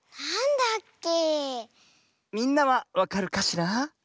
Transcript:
みんなはわかるかしら？